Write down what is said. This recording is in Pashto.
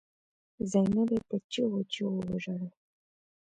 زينبې په چيغو چيغو وژړل.